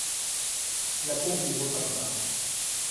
Я помню его тогда.